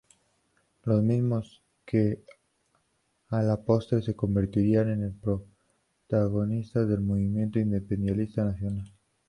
Los mismos que, a la postre, se convertirían en protagonistas del movimiento independentista nacional.